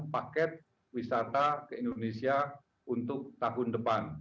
paket wisata ke indonesia untuk tahun depan